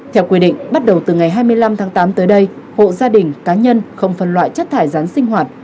theo quy định bắt đầu từ ngày hai mươi năm tháng tám tới đây hộ gia đình cá nhân không phân loại chất thải rán sinh hoạt